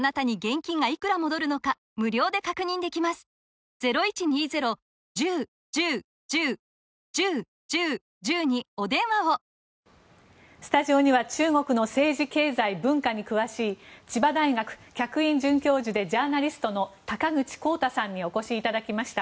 そうした中で増えている恋愛授業を通してスタジオには中国の政治・経済・文化に詳しい千葉大学客員准教授でジャーナリストの高口康太さんにお越しいただきました。